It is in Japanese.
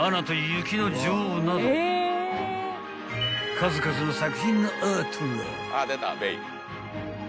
［数々の作品のアートが］